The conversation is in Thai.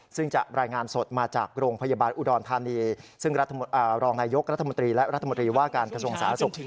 ซึ่งจะรายงานสดมาจากโรงพยาบาลอุดรธานีซึ่งรองนายยกรัฐมนตรีและรัฐมนตรีว่าการกระทรวงสาธารณสุข